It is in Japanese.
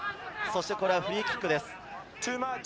これはフリーキックです。